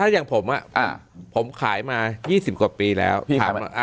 ถ้าอย่างผมอ่ะอ่าผมขายมายี่สิบกว่าปีแล้วอ่า